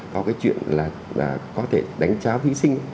có cái chuyện là có thể đánh cháu thí sinh